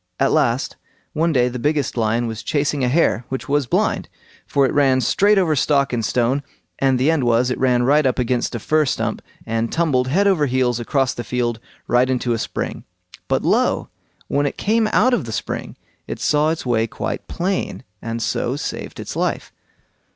At last, one day the biggest lion was chasing a hare which was blind, for it ran straight over stock and stone, and the end was, it ran right up against a fir stump and tumbled head over heels across the field right into a spring; but lo! when it came out of the spring it saw its way quite plain, and so saved its life.